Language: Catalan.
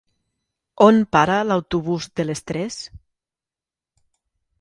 On para l'autobús de les tres?